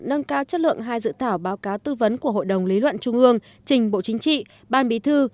nâng cao chất lượng hai dự thảo báo cáo tư vấn của hội đồng lý luận trung ương trình bộ chính trị ban bí thư